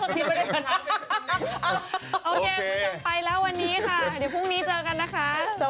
สวัสดีค่ะ